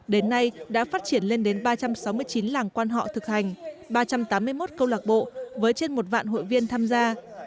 đến nay đã phát triển lên đến ba trăm sáu mươi chín làng quan họ thực hành ba trăm tám mươi một câu lạc bộ với trên một vạn hội viên tham gia